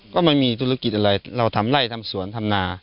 ก็ไม่มีธุรกิจอะไรเราทำไล่ทำสวนทำนา